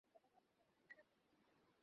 কিন্তু লণ্ডনে তিনি ও-সব কিছুই করেন না।